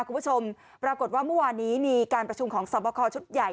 คุณผู้ชมปรากฏว่าเมื่อวานนี้มีการประชุมของสอบคอชุดใหญ่